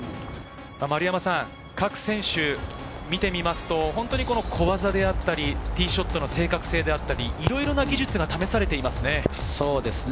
各選手、見てみると小技であったり、ティーショットの正確性だったり、いろいろな技術が試されていますね。